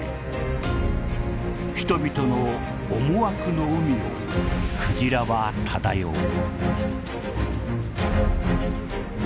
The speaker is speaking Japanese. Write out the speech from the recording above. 人々の思惑の海をクジラは漂う。